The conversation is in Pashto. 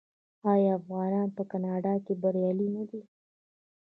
آیا افغانان په کاناډا کې بریالي نه دي؟